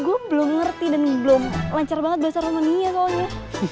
gue belum ngerti dan belum lancar banget belajar romania soalnya